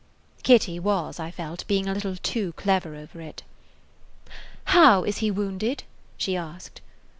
Kitty was, I felt, being a little too clever over it. "How is he wounded?" she asked.